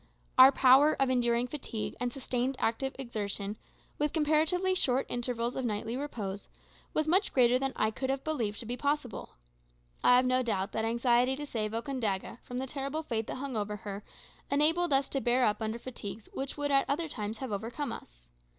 Our power of enduring fatigue and sustained active exertion, with comparatively short intervals of nightly repose, was much greater than I could have believed to be possible. I have no doubt that anxiety to save Okandaga from the terrible fate that hung over her enabled us to bear up under fatigues which would at other times have overcome us.